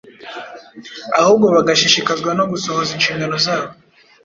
ahubwo bagashishikazwa no gusohoza inshingano zabo.